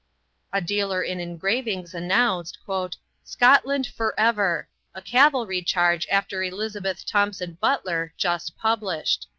A dealer in engravings announced: "'Scotland Forever.' A Cavalry Charge after Elizabeth Thompson Butler, just published."